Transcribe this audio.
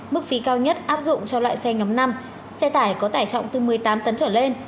mức phí cao nhất áp dụng cho loại xe ngấm năm xe tải có tải trọng từ một mươi tám tấn trở lên